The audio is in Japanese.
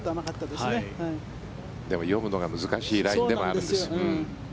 でも読むのが難しいラインでもあるんです。